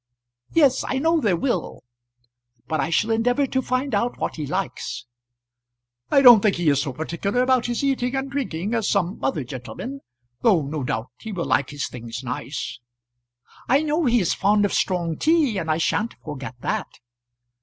"Yes; I know there will. But I shall endeavour to find out what he likes." "I don't think he is so particular about his eating and drinking as some other gentlemen; though no doubt he will like his things nice." "I know he is fond of strong tea, and I sha'n't forget that."